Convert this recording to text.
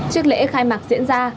trước lễ khai mạc diễn ra